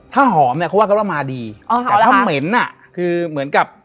แต่ส่วนมากได้กลิ่นหอม